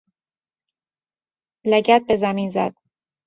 لگد بزمین زدن